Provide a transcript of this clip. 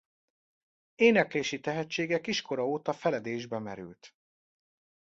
Éneklési tehetsége kiskora óta feledésbe merült.